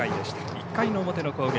１回の表の攻撃。